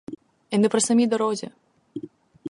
І не при самій дорозі.